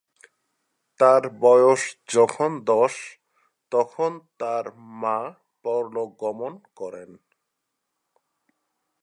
তাঁর বয়স যখন দশ তখন তার মা পরলোকগমন করেন।